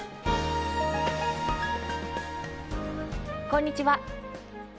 こんにちは。